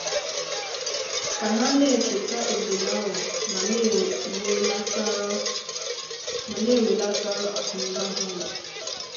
ka ha na-echeta obodo ha ma na-ewelataru akụnụba ha ụlọ